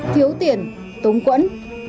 thiếu tiền tống quẫn